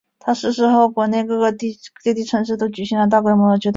他逝世后国内各地城市都举行了大规模的追悼会。